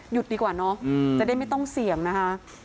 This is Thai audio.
ดีกว่าเนาะจะได้ไม่ต้องเสี่ยงนะคะ